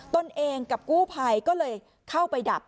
ตนเองกับกู้ภัยก็เลยเข้าไปดับ